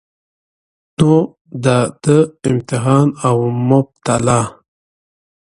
نو د ده امتحان او مبتلاء